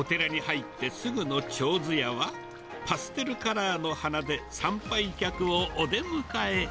お寺に入ってすぐのちょうずやは、パステルカラーの花で参拝客をお出迎え。